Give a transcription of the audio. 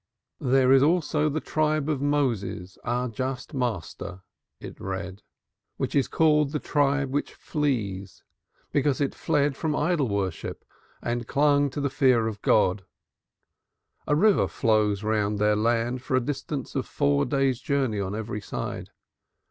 "There is also the tribe of Moses, our just master, which is called the tribe that flees, because it fled from idol worship and clung to the fear of God. A river flows round their land for a distance of four days' journey on every side.